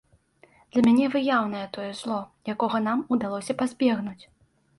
Для мяне выяўнае тое зло, якога нам удалося пазбегнуць.